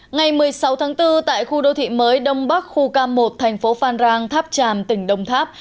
ngày một mươi sáu tháng bốn tại khu đô thị mới đông bắc khu k một thành phố phan rang tháp tràm tỉnh đồng tháp